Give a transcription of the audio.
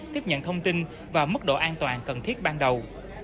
tiếp nhận thông tin và mức độ an toàn cần thiết ban đầu